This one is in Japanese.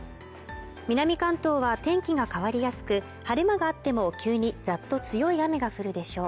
南関東は天気が変わりやすく晴れ間があっても急にざっと強い雨が降るでしょう